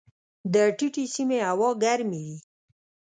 د ټیټې سیمې هوا ګرمې وي.